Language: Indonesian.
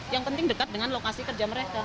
yang penting dekat dengan lokasi kerja mereka